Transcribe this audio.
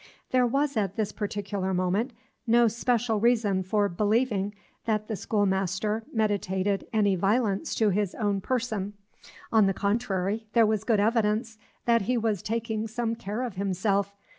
There was at this particular moment no special reason for believing that the schoolmaster meditated any violence to his own person. On the contrary, there was good evidence that he was taking some care of himself.